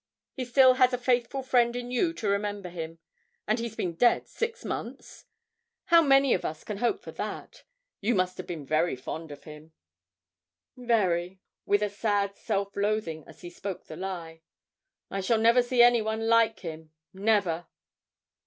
He still has a faithful friend in you to remember him; and he's been dead six months? How many of us can hope for that? You must have been very fond of him.' 'Very,' said Mark, with a sad self loathing as he spoke the lie. 'I shall never see anyone like him never!'